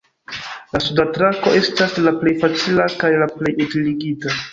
La suda trako estas la plej facila kaj la plej utiligita.